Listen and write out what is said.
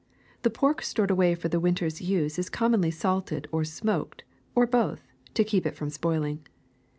The pork stored away for the winter's use is commonly salted or smoked, or both, to keep it from spoiling.